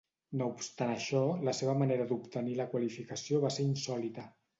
No obstant això, la seva manera d'obtenir la qualificació va ser insòlita.